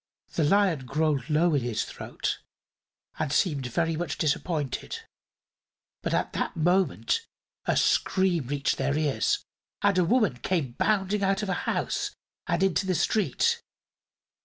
The Lion growled low in his throat and seemed very much disappointed; but at that moment a scream reached their ears and a woman came bounding out of a house and into the street.